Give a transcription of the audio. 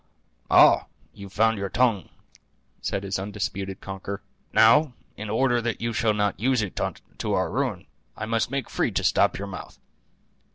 "Ay, you've found your tongue," said his undisturbed conqueror; "now, in order that you shall not use it to our ruin, I must make free to stop your mouth."